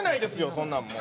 そんなんもう。